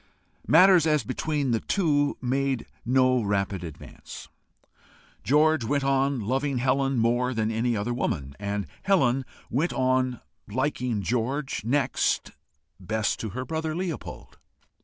Matters as between the two made no rapid advance. George went on loving Helen more than any other woman, and Helen went on liking George next best to her brother Leopold.